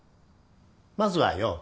まずはよ